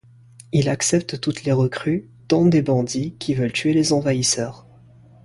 Il accepte toutes les recrues, dont des bandits, qui veulent tuer les envahisseurs.